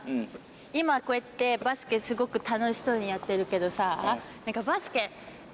今こうやってバスケすごく楽しそうにやってるけどさぁ。